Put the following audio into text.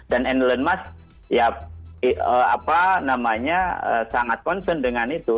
dan endle learn mas ya apa namanya sangat concern dengan itu